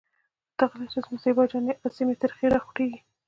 ته غلې شه زېبا جانې اسې مې تريخی راخوټکېږي.